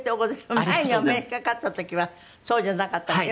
前にお目にかかった時はそうじゃなかったでしょ？